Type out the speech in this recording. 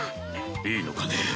いいのかね？